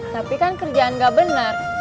tapi kan kerjaan gak benar